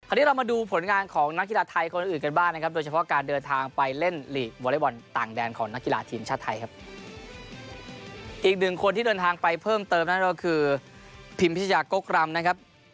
คราวนี้เรามาดูผลงานของนักกีฬาไทยคนอื่นใกล้บ้านนะครับ